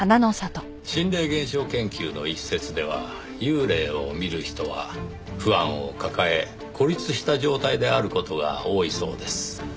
心霊現象研究の一説では幽霊を見る人は不安を抱え孤立した状態である事が多いそうです。